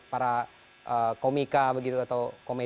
bisa bisa saja ya dilakukan itu oleh